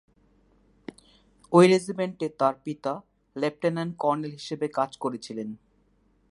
ঐ রেজিমেন্টে তার পিতা লেফট্যানেন্ট কর্নেল হিসেবে কাজ করেছিলেন।